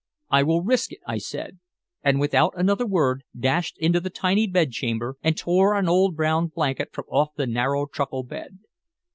"I will risk it," I said, and without another word dashed into the tiny bed chamber and tore an old brown blanket from off the narrow truckle bed.